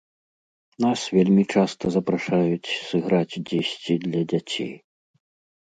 Нас вельмі часта запрашаюць сыграць дзесьці для дзяцей.